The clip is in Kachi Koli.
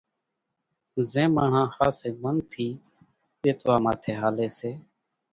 زين ماڻۿان ۿاسي من ٿي ۮيتوا ماٿي ھالي سي